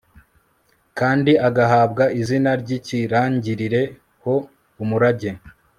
kandi agahabwa izina ry'ikirangirire ho umurage